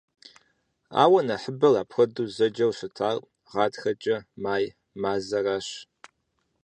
Ауэ нэхъыбэр апхуэдэу зэджэу щытар гъатхэкӀэ «май» мазэращ.